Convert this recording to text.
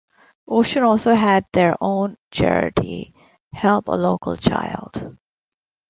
Ocean also had their own charity, Help a Local Child.